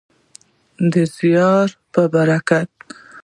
د زیار په برکت.